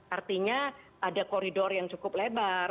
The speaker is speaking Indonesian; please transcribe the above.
artinya ada koridor yang cukup lebar